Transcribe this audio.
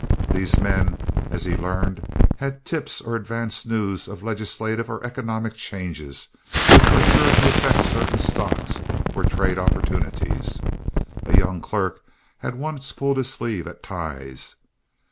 These men, as he learned, had tips or advance news of legislative or economic changes which were sure to affect certain stocks or trade opportunities. A young clerk had once pulled his sleeve at Tighe's.